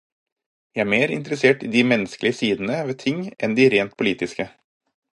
Jeg er mer interessert i de menneskelige sidene ved ting enn de rent politiske.